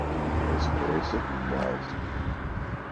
Vai spēsi, dēls?